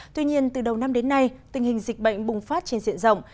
tuy nhiên từ đầu năm đến nay tình hình dịch bệnh bùng phát trên diện rộng